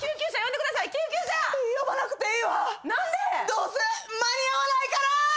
どうせ間に合わないからぁ！！